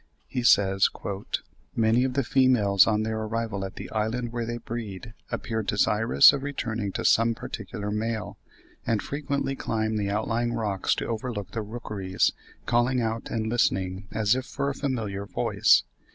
He says, "Many of the females on their arrival at the island where they breed appear desirous of returning to some particular male, and frequently climb the outlying rocks to overlook the rookeries, calling out and listening as if for a familiar voice.